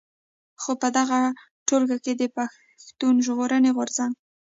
خو په دغه ټولګه کې د پښتون ژغورني غورځنګ.